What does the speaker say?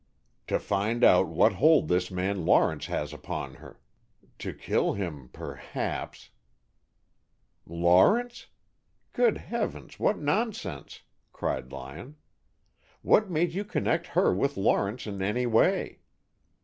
"To find out what hold this man Lawrence has upon her, to kill him, perhaps, " "Lawrence? Good heavens, what nonsense!" cried Lyon. "What made you connect her with Lawrence in any way?"